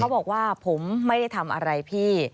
บอกว่าผมไม่ได้ทำอะไรพี่